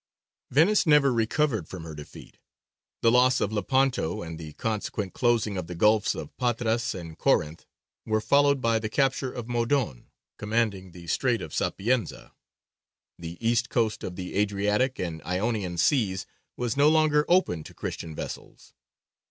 Venice never recovered from her defeat. The loss of Lepanto and the consequent closing of the gulfs of Patras and Corinth were followed by the capture of Modon, commanding the strait of Sapienza: the east coast of the Adriatic and Ionian seas was no longer open to Christian vessels.